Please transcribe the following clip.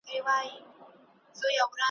پر ما ګران نورمحمدلاهو ته`